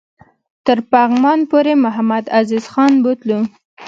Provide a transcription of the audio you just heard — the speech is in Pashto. تر پغمان پوري محمدعزیز خان بوتلو.